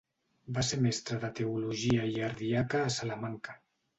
Va ser mestre de teologia i ardiaca a Salamanca.